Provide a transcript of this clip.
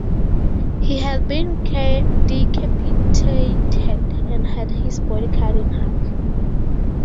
He had been decapitated and had his body cut in half.